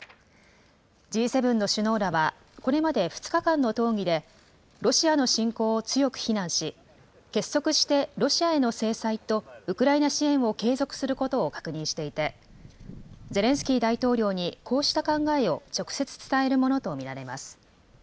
Ｇ７の首脳らはこれまで２日間の討議で、ロシアの侵攻を強く非難し、結束してロシアへの制裁とウクライナ支援を継続することを確認していて、ゼレンスキー大統領にこうした考えを直接伝えるものと見られます。